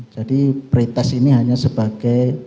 jadi pretest ini hanya sebagai